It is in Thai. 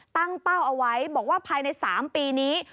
ตั้งเป้าเอาไว้บอกว่าภายใน๓ปีนี้